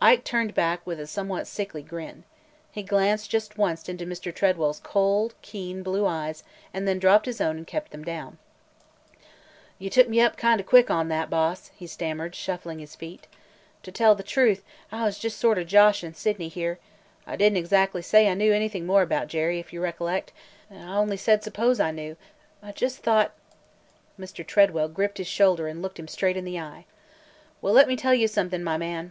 Ike turned back with a somewhat sickly grin. He glanced just once into Mr. Tredwell's cold, keen, blue eyes and then dropped his own and kept them down. "You took me up kind o' quick on that, boss!" he stammered, shuffling his feet. "To tell the truth, I was just sort o' joshin' Sydney here. I did n't exactly say I knew any more about Jerry, if you rec'lect; I only said suppose I knew. I just thought –" Mr. Tredwell gripped his shoulder and looked him straight in the eye. "Well, let me tell you something, my man!